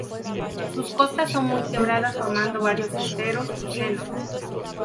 Sus costas son muy quebradas formando varios esteros y senos.